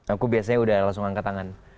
aku biasanya udah langsung angkat tangan